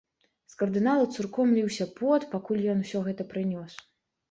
З кардынала цурком ліўся пот, пакуль ён усё гэта прынёс.